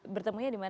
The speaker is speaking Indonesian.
bertemunya di mana